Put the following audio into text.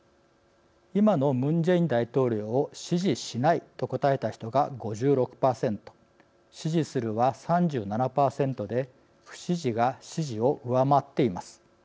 今のムン・ジェイン大統領を支持しないと答えた人が５６％支持するは３７％で不支持が支持を上回っています。